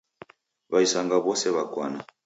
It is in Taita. W'aisanga w'ose w'akwana.